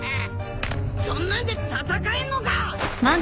そんなんで戦えんのかぁ？